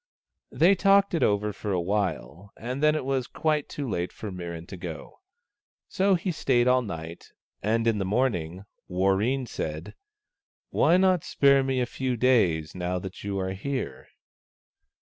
They talked it over for a while, and then it was quite too late for Mirran to go. So he stayed all night, and in the morning Warreen said, " Why not spare me a few days, now that you are here